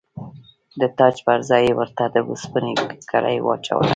د تاج پر ځای یې ورته د اوسپنې کړۍ واچوله.